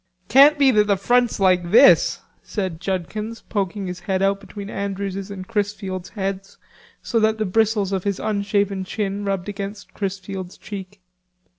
"Can't be that the front's like this," said Judkins, poking his head out between Andrews's and Chrisfield's heads so that the bristles of his unshaven chin rubbed against Chrisfield's cheek.